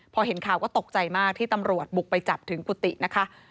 พอเห็นข่าวก็ตกใจมากที่ตำรวจบุกไปจับถึงกุฏินะคะ